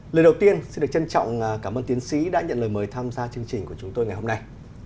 lời đầu tiên xin được trân trọng cảm ơn tiến sĩ đã nhận lời mời tham gia chương trình của chúng tôi ngày hôm nay